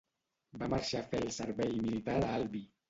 Va marxar a fer el servei militar a Albi.